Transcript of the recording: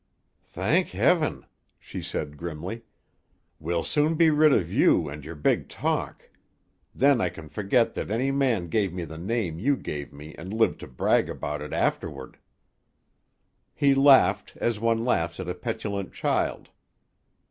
"Thank Heaven!" she said grimly. "We'll soon be rid of you and your big talk. Then I can forget that any man gave me the name you gave me and lived to brag about it afterward." He laughed, as one laughs at a petulant child.